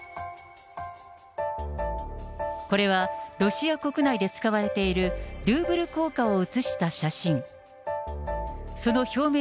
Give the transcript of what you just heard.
これは、ロシア国内で使われているルーブル硬貨を写した写真。